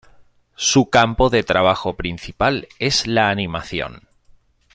Su campo de trabajo principal es la animación.